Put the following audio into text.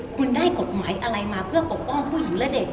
คุณได้กฎหมายอะไรมาเพื่อปกป้องผู้หญิงและเด็ก